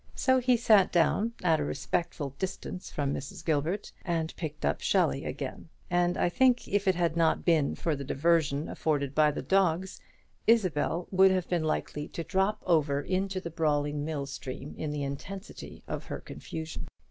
So he sat down at a respectful distance from Mrs. Gilbert, and picked up Shelley again; and I think if it had not been for the diversion afforded by the dogs, Isabel would have been likely to drop over into the brawling mill stream in the intensity of her confusion.